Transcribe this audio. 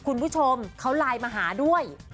คุณผู้ชมเขาไลน์มาหาด้วย